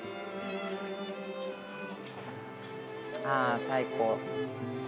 あ最高。